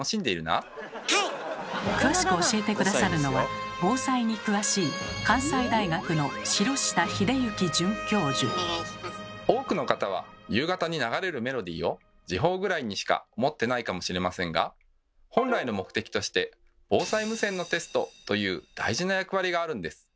詳しく教えて下さるのは防災に詳しい多くの方は夕方に流れるメロディーを時報ぐらいにしか思ってないかもしれませんが本来の目的として「防災無線のテスト」という大事な役割があるんです。